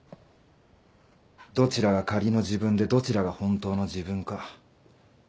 どちらが仮の自分でどちらが本当の自分か。